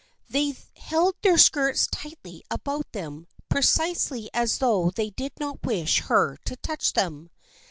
They held their skirts tightly about them precisely as though they did not wish her to touch them.